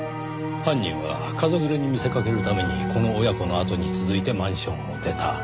犯人は家族連れに見せかけるためにこの親子のあとに続いてマンションを出た。